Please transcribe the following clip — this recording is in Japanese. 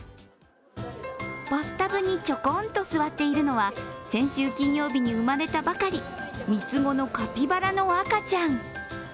バスタブにちょこんと座っているのは先週金曜日に生まれたばかり、３つ子のカピバラの赤ちゃん。